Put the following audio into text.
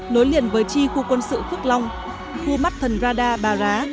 nối liền với chi khu quân sự phước long khu mắt thần radar bà rá